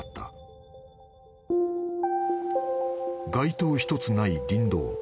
［街灯一つない林道］